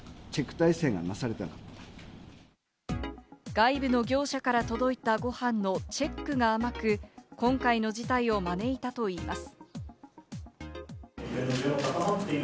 外部の業者から届いたご飯のチェックが甘く、今回の事態を招いたといいます。